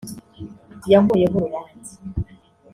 Yankuyeho Urubanza